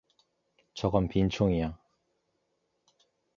저건 빈 총이야